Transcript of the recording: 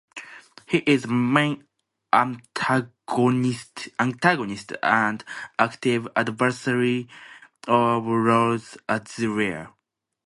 He is the main antagonist and active adversary of Lord Asriel.